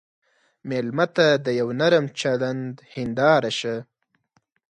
مېلمه ته د یوه نرم چلند هنداره شه.